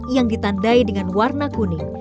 yang ditandai dengan warna kuning